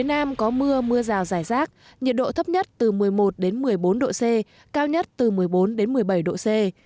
nam bộ có mưa rào vài nơi ngày nắng nhiệt độ thấp nhất từ một mươi chín đến hai mươi hai độ c cao nhất từ hai mươi tám đến ba mươi một độ c